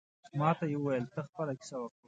ماته یې ویل ته خپله کیسه وکړه.